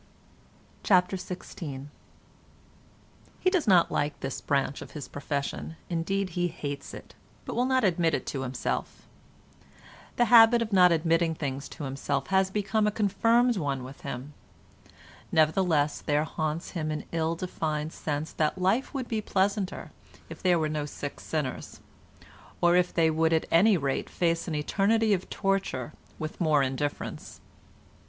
CHAPTER XVI He does not like this branch of his profession—indeed he hates it—but will not admit it to himself. The habit of not admitting things to himself has become a confirmed one with him. Nevertheless there haunts him an ill defined sense that life would be pleasanter if there were no sick sinners, or if they would at any rate face an eternity of torture with more indifference.